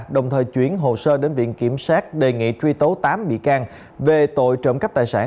đồng thời chuyển hồ sơ đến viện kiểm sát đề nghị truy tố tám bị can về tội trộm cắp tài sản